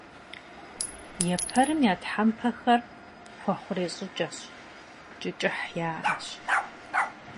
Епэрым я тхьэмпэхэр хуэхъурей щӏыкӏэщ, кӏы кӏыхь яӏэщ.